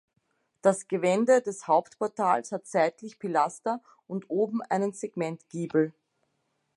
Das Gewände des Hauptportals hat seitlich Pilaster und oben einen Segmentgiebel.